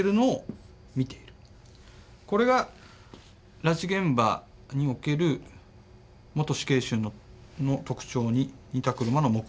これが拉致現場における元死刑囚の特徴に似た車の目撃供述。